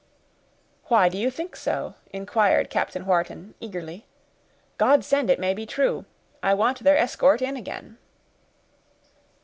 "Why do you think so?" inquired Captain Wharton, eagerly. "God send it may be true; I want their escort in again."